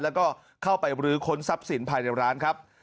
แล้วก็เข้าไปรื้อค้นทรัพย์สินภายในร้านครับ